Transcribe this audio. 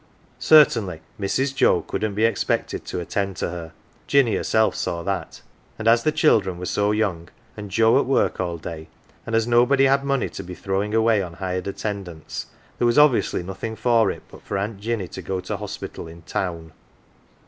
Certainly Mi's. Joe couldn't be expected to attend to her Jinny herself saw that and as the children were so young, and Joe at work all day, and as nobody had money to be throwing away on hired attendants, there was obviously nothing for it but for Aunt Jinny to go to hospital in "town.""